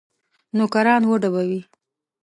نوکران وډبوي.